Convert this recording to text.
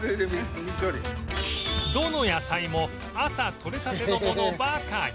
どの野菜も朝とれたてのものばかり